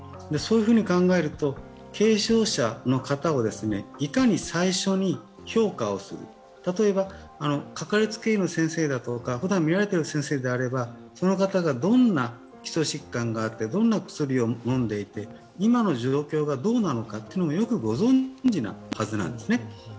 そういうふうに考えると、軽症者の方をいかに最初に評価をする、例えばかかりつけ医の先生だとか、ふだん診られている先生ならば、その方がどんな基礎疾患があってどんな薬を飲んでいて、今の状況がどうなのかというのもよくご存じなはずなんですね。